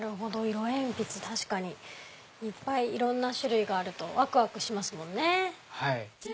色鉛筆確かにいっぱいいろんな種類があるとわくわくしますもんね。